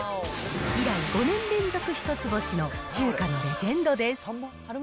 以来、５年連続１つ星の中華のレジェンドです。